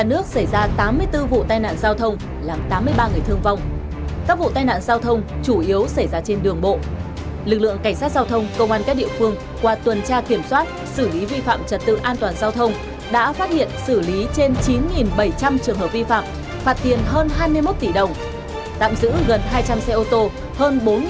tước hơn hai giấy phép lái xe các loại kiểm tra xử lý hơn chín trường hợp vi phạm nồng đồ cồn